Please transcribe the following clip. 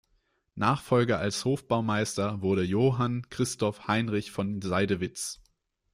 Nachfolger als Hofbaumeister wurde Johann Christoph Heinrich von Seydewitz.